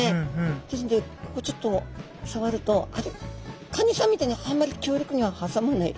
ですのでここちょっと触るとカニさんみたいにあんまり強力には挟まない。